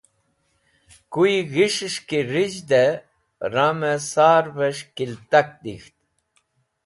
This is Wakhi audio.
Kuyẽ ghis̃hes̃h ki rizhdẽ ramẽ sarves̃h kiltak dikht.